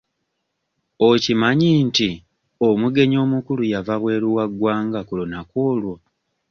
Okimanyi nti omugenyi omukulu yava bweru wa ggwanga ku lunaku olwo?